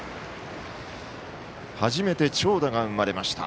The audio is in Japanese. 初めて長打が生まれました。